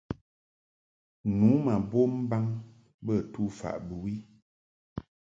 Nu ma bom mbaŋ bə tufaʼ bɨwi.